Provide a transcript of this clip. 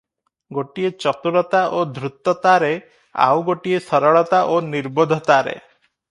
ଗୋଟିଏ ଚତୁରତା ଓ ଧୂର୍ତ୍ତତାରେ, ଆଉ ଗୋଟିଏ ସରଳତା ଓ ନିର୍ବୋଧତାରେ ।